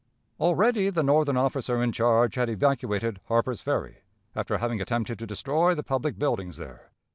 Already the Northern officer in charge had evacuated Harper's Ferry, after having attempted to destroy the public buildings there.